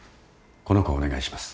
この子をお願いします。